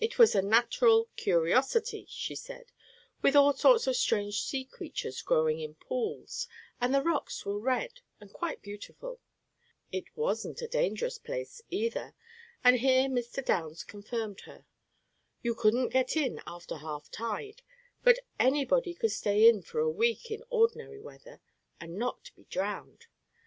It was a "natteral curosity," she said, with all sorts of strange sea creatures growing in pools, and the rocks were red and quite beautiful. It wasn't a dangerous place, either, and here Mr. Downs confirmed her. You couldn't get in after half tide, but anybody could stay in for a week in ordinary weather, and not be drowned.